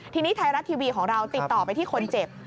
ทีนี้ไทยรัฐทีวีของเราติดต่อไปที่คนเจ็บ